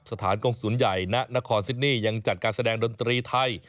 สถานกงศูนย์ใหญ่ณนครซิดนี่ยังจัดการแสดงดนตรีไทย